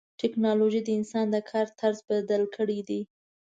ټکنالوجي د انسان د کار طرز بدل کړی دی.